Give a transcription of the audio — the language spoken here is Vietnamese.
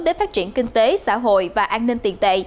để phát triển kinh tế xã hội và an ninh tiền tệ